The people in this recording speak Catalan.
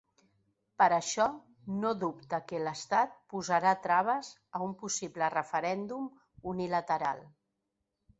Per això, no dubta que l’estat posarà traves a un possible referèndum unilateral.